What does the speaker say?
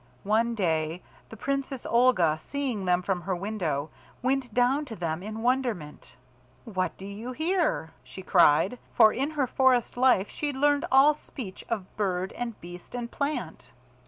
One day the Princess Olga, seeing them from her window, went down to them in wonderment. "What do you here?" she cried, for in her forest life she'd learned all speech of bird and beast and plant.